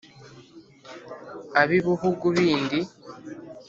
Ab'ibihugu bindi